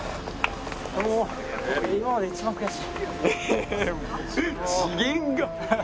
今までで一番悔しい。